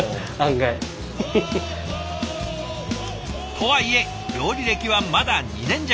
とはいえ料理歴はまだ２年弱。